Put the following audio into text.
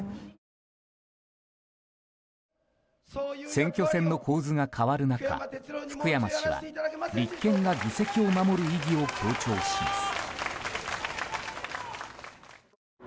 選挙戦の構図が変わる中福山氏は立憲が議席を守る意義を強調します。